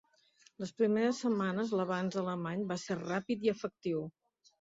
Les primeres setmanes l'avanç alemany va ser ràpid i efectiu.